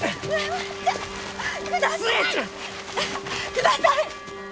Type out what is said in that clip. ください！